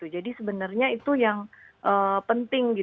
jadi sebenarnya itu yang penting